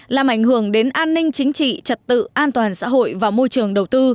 làm ảnh hưởng đến an ninh chính trị trật tự an toàn xã hội và môi trường đầu tư